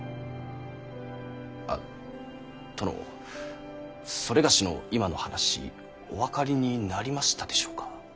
あ殿某の今の話お分かりになりましたでしょうか？